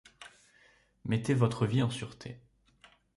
Mettez votre vie en sûreté.